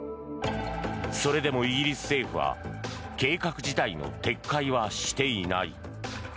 それでもイギリス政府は計画自体の撤回はしていない。